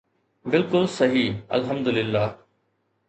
بلڪل صحيح الحمدلله